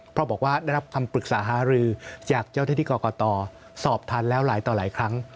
เพราะบอกว่าได้รับคำปรึกษาหารือจากเจ้าหน้าที่กรกตสอบทันแล้วหลายต่อหลายครั้ง